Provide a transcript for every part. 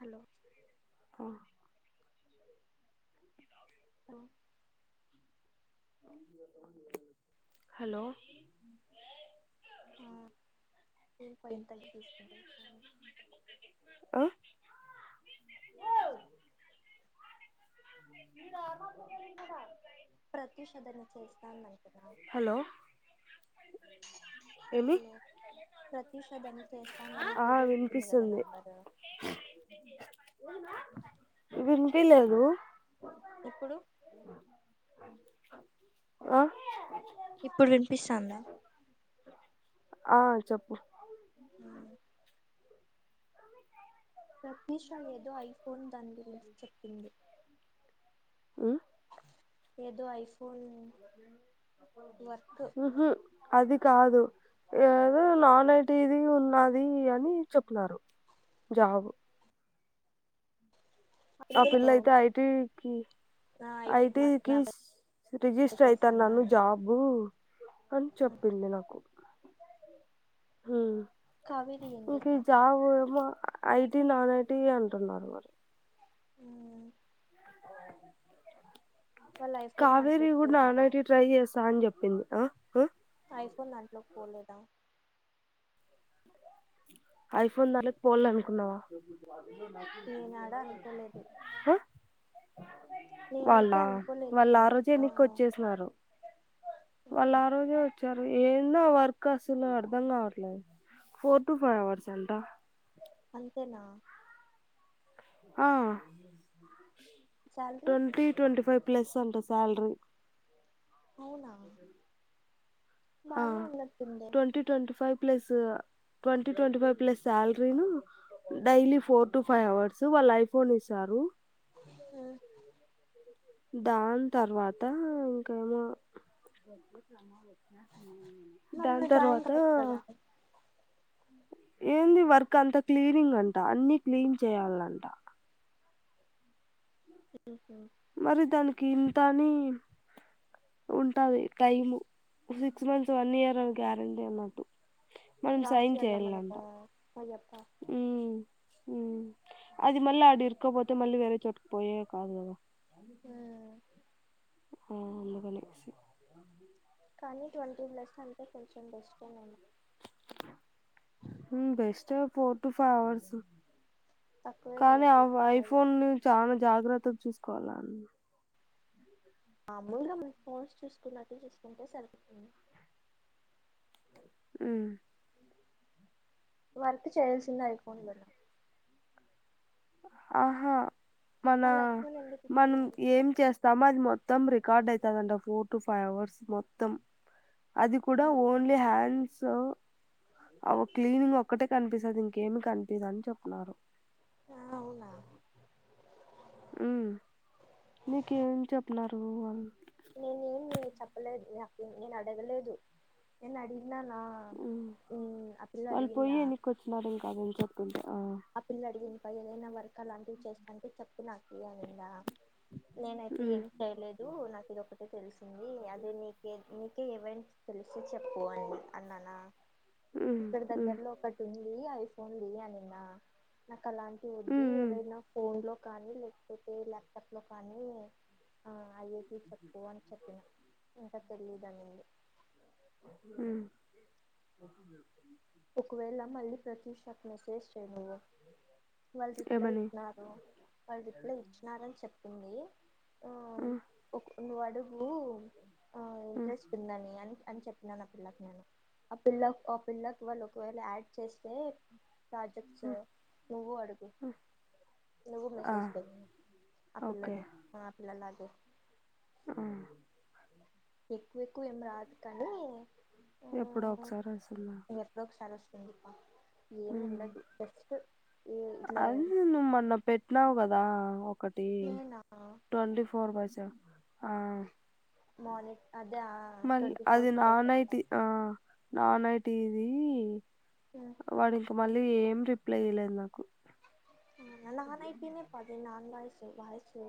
Hello ఆ అ hello ఆ పోయింతకి తీసుకుంది అ య్యూ ప్రతిషధని చేస్తాన అంటున్నా హలో ఏమి హలో ప్రతిష్ కద అని ఆ చేస్తాందనిక ఏదో ఇచ్చింది కదా వినిపిస్తుంది నాప్పారు వినిపీలేదు ఇప్పుడు అ ఇప్పుడు వినిపిస్తాంద ఆ చెప్పు రత్నిష ఏదో ఐఫోన్ దాని గురించి చెప్పింది ఉమ్ ఏదొ అయిస్ వర్క్ ఊహుఅది కాదు ఏదో నాన్ ఐటీది ఉన్నది అని చెప్న్నారు జాబు ఆ పిల్ల అయితె ఐటి ఉమ్ నా ఐటీకి మా ఐటికి నా రిజిస్టర్ చేస్తాన్నా అయితన్నాను అండి జాబు అని చెప్పింది నాకు హుమ్ కావేరి ఏం ఇంక ఈ చేస్తాంది జాబు ఎమో ఐటీ నాన్ ఐటీ అంటున్నారు మరి ఉ అ వాళ్ళు ఐఫోన్ కావేరీ దాంట్లోకి కూడా నాన్ పోయినారా ఐ టి ట్రై చేస్తా అని చెప్పింది ఆ కో ఐఫోన్ దాంట్లోకి పోలేదా ఐఫోన్ దారకి పోవాల అనుకున్నావా నేనాడా అనుకోలేదు ఆ నేనైతే వాళ్ళా అనుకోలేదు వాళ్ళు పా ఆ రోజు ఎన్నికిచ్చేసినారు వాళ్ళ ఉహు ఆ రోజు వచ్చారు ఏంద వర్క్ కాసులు అడతాంగావర్లేదు ఫోర్ టు ఫైవ్ హవర్స్ చెంట అంతేనా ఆ శాలరీ ట్వ ట్వ ఫైవ్ ప్లస్ అంటే సాలడ్రు అవునా ఆ బానే ఉన్నట్టుందే twenty twenty five plus twenty twenty five plus salary ను daily four to five hours వాళ్ళు ఐఫైవ్ ఇస్తారు ఆ దాని తర్వాత ఇంకేమో మరి దాని నువ్వు జాయిన్ తర్వాత కావచ్చు కదా ఏంది వర్క్ అంతా క్లీనింగ్ అంట అన్ని క్లీన్ చేయాల్నంట [unintelligible] మరి దానికి ఇంతనిమ్ ఉంటాది. టైము హ్ సిక్స్ మంత్స్ వన్ ఇయర్ అని గ్యారంటీ అన్నట్టు మనం రాశి సైన్ ఎలా చేయాలంట మనకు పోయ్యప్పా మ్మ్ అది మళ్ళీ అడి ఇకపోతే మళ్ళీ వరే చోటుకి పోయే కాదు కదా ఫ్యామిలీ వచ్చినింది ఉమ్ హ్మ్ ఎందుకు అనేసి కానీ ట్వంటీ బ్లెస్ట్ అంటే కొంచెం బెస్టె నేను హ్మ్ best four to five hours తక్కువే కదా కానీ ఆ పోతుంటాయి ఐఫోన్ చాలా జాగ్రత్తగా చూస్ కొలన్ మామూలుగా మై ఫోన్స్ చూసుకున్నట్టు చూసుకుంటే సరిపోతుంది. హ్మ్ వర్క్ చేయాలచ్చిందే ఐఫోన్ందువల్ల ఆహా మన వాళ్ళు ఐఫోన్ ఎందుకు మనం ఇచ్చేవాళ్ళు ఏం చేస్ సమాధి మొత్తం రికార్డ్ అవుతదంట ఫోర్ టు ఫైవ్ అవర్స్ మొత్తం అది కూడా ఓన్లీ హ్యాండ్ సో అ క్లీనింగ్ ఒక్కటే కనిపిస్తుంది ఇంకేమి కనిపిదాని చెప్నరు ఆ అవునా ఊ నీకేం చెప్నరు వాళ్ళు నేనే ఏమి చెప్పలేదు నా నేను అడగలేదు నేను అడిగి హాహ్ వాళ్ళు పోయి అడిగిందా ఎనికి వచ్చినరు కాదని చెప్తుంటే ఆ పిల్ల అడిగింది ఏదైనా వర్క్ అలాంటివి చేస్తాంటే చేపిన అందా నేనైతే ఉమ్ ఏం చేయలేదు నాకు ఇది ఒకటే తెలిసింది అదే నీకే నీ ఏ ఈవెంట్స్ తెలిస్తే చెప్పు అని అన్నానా ఉమ్ ఇక్కడ ఉమ్ దగ్గర్లో ఒకటి ఉంది అ పోండి అనింద అలాంటి వద్దు ఉమ్ ఉమ్ ఏవైనా ఫోన్ లో కాళీ లేెకపోతే లాప్టాప్ లో కానీ ఆ అయ్యేకి చెప్పు అని చెప్పిన ఇకా తెలీయదు అనింది హ్మ్ ఒకవేళ మళ్ళీ ప్రతుషాకి మేసేజ్ చేయ్ నువ్వు వాళ్ళు రిప్లై ఏమని ఇచ్చినారు వాళ్ళు రిప్లై ఇచ్చినారని చెప్ ఏంది ఉహ్ నువ్ అడుగు నువ్వు ఆ ఇంట్రెస్ పిందాని అని చెప్పినాను ఆ పిల్లకు నేను ఆ పిల్ల ఆపిల్లక్ వాళ్ళు ఒకవేళ యాడ్ చేస్తే జెక్ట్స్ ఆ నువ్వు అడుగు నువ్వు ఆ, ఆ, మెసేజ్ చెయ్ ఆ ఓకే పిల్లని ఆ పిల్లలా ఓ ఆ ఎక్కువ ఎక్కువ్ రాదు కానీ ఎప్పుడు ఒకసారి అసలు ఇ ఏమి ఉండదు జస్ట్ ఇట్లా అది నువ మెన్న పెట్టినావు కదా దా ఓ ఒకటి నేనా ట్వంటీ ఫోర్ బై సెవెన్ ఆ మలిక్ మళ్ళిఅది నానయటిఆ నానయి టి తేది వడి కమళి ఏం రిప్లై ఇయలేదు నాకు అ నల్లనయిటే పఅది నా బాయ సొవాయిసు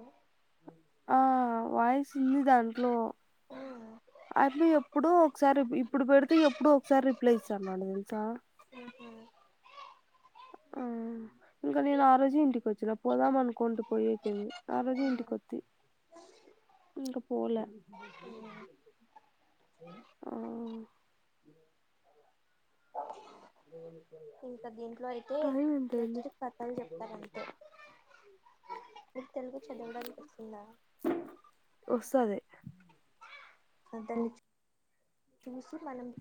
ఆ వాయిస్ ఉంది దాంట్లో అయి ప్పఎప్పుడ ఒకసారి ఇప్పుడు పెడితే ఎప్పుడు ఒకసారి రిప్లై ఇస్తాన్నాడు తెలుసా ఆ ఇంక నేను ఆ రోజు ఇంటిక వచ్చిన పోదాం అనుకుంటూ పోయేకేమి ఆ రోజు ఇంటికొత్తిఇంకపోల ఆ స ఇంకా దీంట్లో అయితే టైం ఎంత అయింది జస్ట్ కథలు చెప్తారు అంతే మీకుతెలుగు చదవడానికి వస్తుందా వస్తది దాన్ని చూసి మనం [inaudible]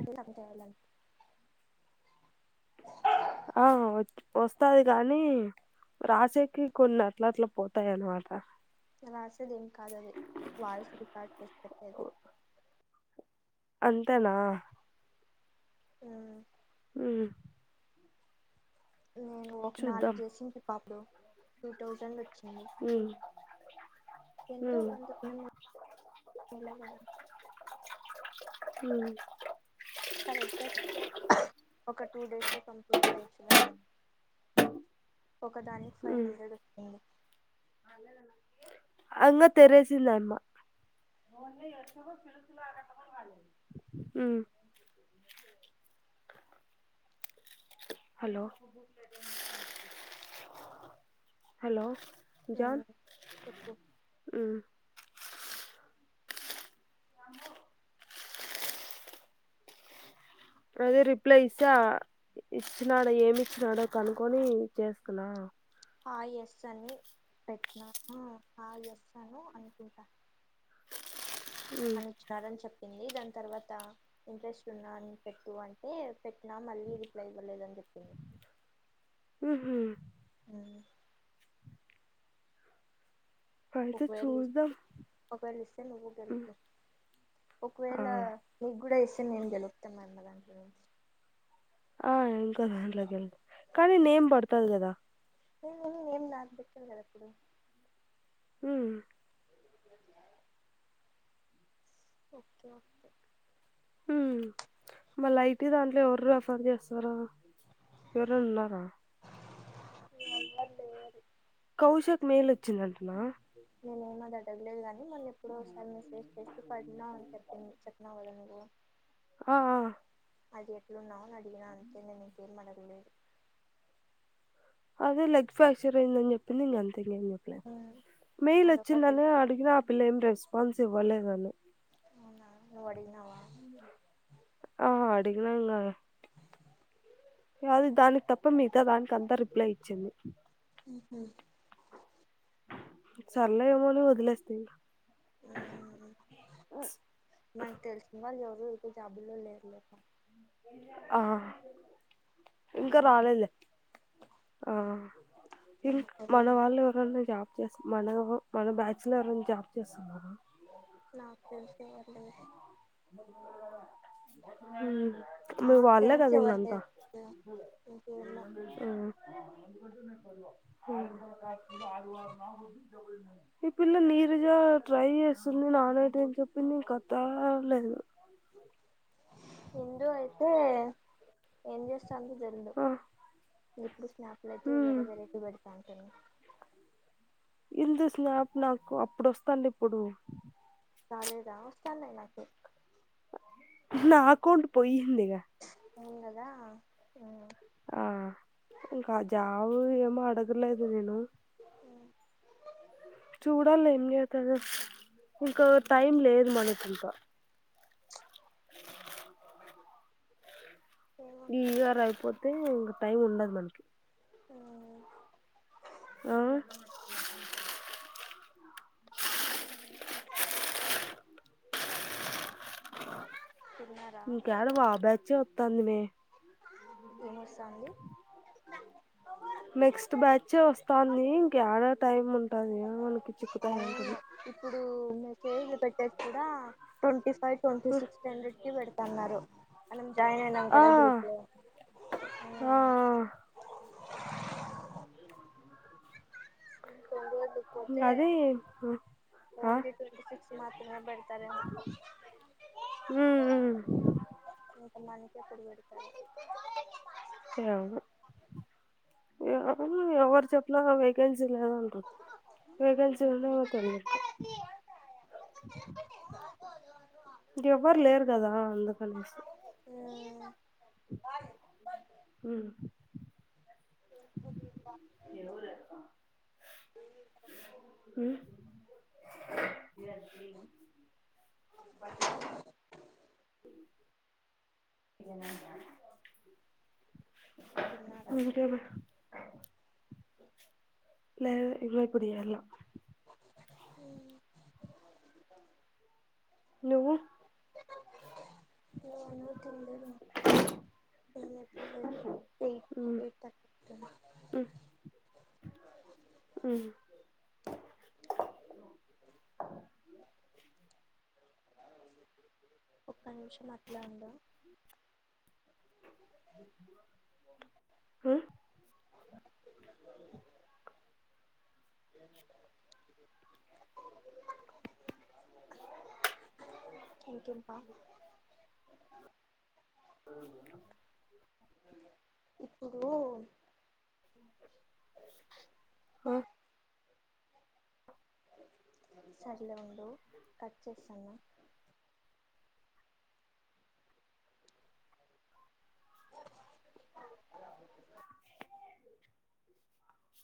వస్తాది గాని రాసేకి కొన్ని అట్ల అట్ల పోతాయి అనమాట రాసేది ఏం కాదది వాయిస్ రికార్డ్ చేసి పెట్టేది అంతేనా ఆ ఇమ్ నేను ఒక నాలుగు చూద్దాం చేసింటిప అపుడు టూ థౌజండ్ వచ్చి ఎంతో కొంత తినం [inaudible] ఊ గా చేస్తే ఒక టూ డేస్ లో కంప్లీట్ చేయొచ్చు [inaudible] ఒక దానికి ఫైవ్ హండ్రెడ్ [inaudible] అంగ తెరేసిలేమ్మా ఊ హలో హలో ఆ చెప్పు ఊ అదే రిప్లై ఇస్తా ఇచ్చినాడు ఏమిచ్చినాడో కనుక్కొని చేస్తునా హాయ్ ఎస్ అని పెట్నాను హాయ్ ఎస్ అనో అనుకుంటా మ్మ్ అని ఇచ్చినారని చెప్ పింది దాని తర్వాత ఇంట్రెస్ట్ ఉన్నా అని పెట్టు అంటే పెట్టినా మళ్ళీ రిప్లై ఇవ్వదు అని చెప్ [inaudible] ఉహ్మ్ మ్ అయితే ఒకవేళ చూద్దాం ఇస్తే ఒకవేళ ఇస్తే నువ్వు కూడా మ్మ్ [unintelligible] ఆ ఒకవేళ నీకు కూడా ఇస్త్ అటే నేన్ గెలుతా మా అన్నదాంట్లో నుంచి [unintelligible] [unintelligible] కానీ నేమ్ పడుతాది కదా ఏ ఏం నాకు పెట్టింది కదా ఇ ప్పుడు ఉమ్ [inaudible] ఓకే ఓకే ఉ మళ్ళా అయితే దాంట్లో ఎవరు రెఫర్ చేస్తారూ ఎవరఅన్ ఉన్నారా ఎవరు లేరు కౌశక్ మేల్ వచ్చిందంటనా నేనేమో ద [unintelligible] అ మళ్ళీ ఎప్పుడోసారి మెసేజ్ చేసి పడినా అని చెప్పి చెప్పినాఅవ్ కదా నువ్ ఆ ఆ అది ఎట్లున్నాయ్ అడిగిన అంతే నేన్ ఇంకేం అడగ లేదు అదే లెగ్ ఫ్రాక్చర్యిందని చెప్పింది గంతే ఇంగే మ్ చెప్ల మెయిల్ వచ్చిందా అదొకటి అని అడిగినా ఆ పిల్ ఏం రేస్ వంశీ బోలేదనీ అవునా నువ్ అడిగినావ [inaudible] కానీ దానికి తప్ప మిగతా దానికి అంతా రిప్లై ఇచ్చింది [inaudible] సర్లే ఏమోని వద్లేస్ థీ నాక్ తెలిసినవాళ్ ఎవర్ జాబు ల్లో లేరు ఆ ఇంకా నాకు రాలేదులే ఆ తెలిసి ఇంక ఎవరు మన లేరు వాళ్ళు ఎవరన్నా జాబ్ మన మన బ్యాచ్ ల ఎవరన్నా జాబ్ చేస్తున్నార నాక్ తెల్సి ఎవరూలేరు ఎ [unintelligible] ఉమ్ మీ నాకు వాళ్ ఎగా తెలిసి ఇంగ ఎవరు అంతా లేరు ఇంకేమో ఈ పిల్ల నీరుజ ట్రై చేస్తుంది నాన్ ఐటీ అని చెప్పిన్ ది ఇక తా లేదు సింధూ అయితే ఏం చేస్థాన్ దో తేల్ద్ ఆ ఇంగిప్పుడు స్నాపులయితే వేరే వేరేటీవి పేడుతాంటిని ఇందు స్నాప్ నాకు అప్పుడు వస్తాండే ఇప్పుడు రాలేదా వస్తన్నాయ్ నాకు నాఅకౌంట్ పోయ్యిందీగా వూన్ గదా ఊ ఆ ఇంకా జాబు ఏమో అడగలేదు నేను మ్మ్. చూడాల్ల ఏం జేత్తదో ఇంకా టైం లేదు మనకి ఇంకా ఏమో ఈ ఇయర్ అయిపోతే ఇంగ టైం ఉండదు మనకి ఆ అవు అ స ఇంక్యాడ వా బ్యాచ్చే వత్తాంది మే ఏమొస్తాంది నెక్స్ట్ బ్యాచ్చే వస్తాంది ఇంకా యాడా టైం ఉంటాది. అవును అవును ఇప్పుడు మేర్ కేజ్లు పెట్టేసి కూడా ట్వంటీ ఫైవ్ ట్వంటీ సిక్స్ రెండిటికి పెడుతన్నారు మనం జాయిన్ అయినాం ఆ కదా గ్రూప్ లో ఊ ఆ ఆ తొండు అదే ఆ ఓన్లీ ట్వంటీ సిక్స్ మాత్రమే పెడతారేమో ఆ ఆ మనిశే కుడ్వెడుతలే ఎవరు ఎవరు ఎవరు చెప్పారా వేకెన్సి జిల్లాలో అంట వేకేన్సి ఉన్నాయా అక్క ఇక ఎవ్వరు లేరు కదా అందుకనేసి హు స ఊ ఇకడి తిన్నారా ఇంకేమి లేద్ ఇంగా ఇప్పుడు చేయల్ల అ నువ్వు నేను తినలేదు ఇంకా మేము ఎప్పుడూ లేటే ఎయిట్ ఉమ్ ఎయిట్ తర్టీ ఉమ్ ఉమ్ ఒక్క నిమిషం అట్లే ఉండు హ ఇంకేం పా ఆ ఇప్పుడు హా సరిలే ఉండు కట్ చేస్థాన